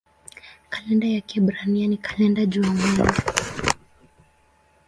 Kalenda ya Kiebrania ni kalenda jua-mwezi.